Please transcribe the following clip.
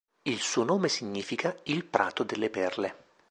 Il suo nome significa "il prato delle perle".